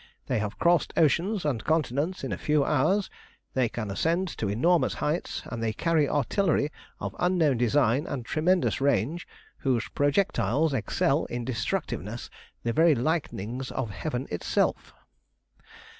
They have crossed oceans and continents in a few hours; they can ascend to enormous heights, and they carry artillery of unknown design and tremendous range, whose projectiles excel in destructiveness the very lightnings of heaven itself.